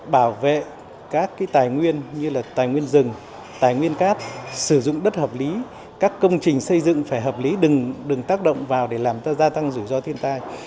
bảo vệ các tài nguyên như là tài nguyên rừng tài nguyên cát sử dụng đất hợp lý các công trình xây dựng phải hợp lý đừng tác động vào để làm cho gia tăng rủi ro thiên tai